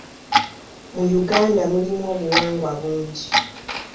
Mu Uganda mulimu obuwangwa bungi.